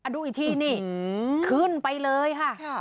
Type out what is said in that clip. ดูอีกทีนี่ขึ้นไปเลยค่ะ